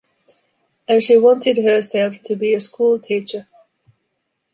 And she wanted herself to be a school-teacher.